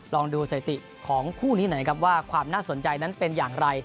ลองดูสถิติของคู่นี้หน่อยครับว่าความน่าสนใจนั้นเป็นอย่างไร